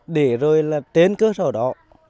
để rồi là đến cơ sở đó